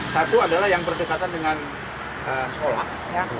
satu adalah yang berdekatan dengan sekolah